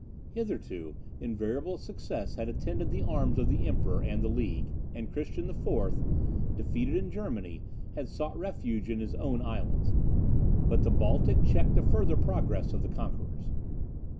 Hitherto invariable success had attended the arms of the Emperor and the League, and Christian IV., defeated in Germany, had sought refuge in his own islands; but the Baltic checked the further progress of the conquerors.